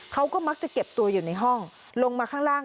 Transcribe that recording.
เขาก็มักจะเก็บตัวอยู่ในห้องลงมาข้างล่าง